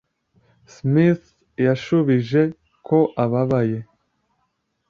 Smith yashubije ko ababaye